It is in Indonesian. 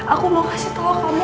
aku mau kasih tahu kamu